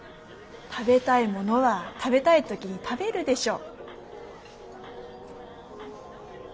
食べたいものは食べたい時に食べるでしょ。